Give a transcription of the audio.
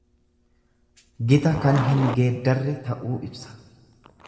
Gita kan hin geeddarre ta'uu ibsa.